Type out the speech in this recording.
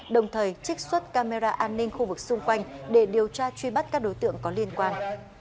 đồng thời trích xuất camera an ninh khu vực xung quanh để điều tra truy bắt các đối tượng có liên quan